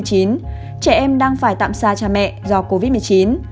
trẻ em đang phải tạm xa cha mẹ do covid một mươi chín